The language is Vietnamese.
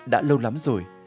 đã lâu lắm rồi